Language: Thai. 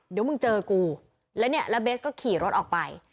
เดี๋ยวมึงเจอกูแล้วเนี่ยแล้วเบสก็ขี่รถออกไป